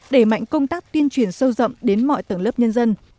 đẩy mạnh công tác tuyên truyền sâu rộng đến mọi tầng lớp nhân dân